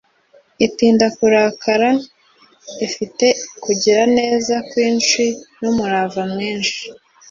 itinda kurakara ifite kugira neza kwinshi n’umurava mwinshi;